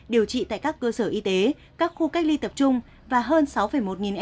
điều trị tại các cơ sở y tế các khu cách ly tập trung và hơn sáu một em